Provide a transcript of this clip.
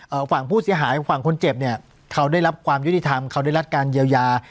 ฝั่งผู้เสียหายฝั่งคนเจ็บเนี่ยเขาได้รับความยุติธรรมเขาได้รับการเยียวยา